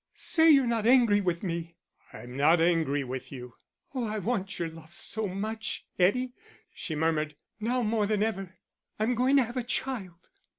"Say you're not angry with me." "I'm not angry with you." "Oh, I want your love so much, Eddie," she murmured. "Now more than ever.... I'm going to have a child."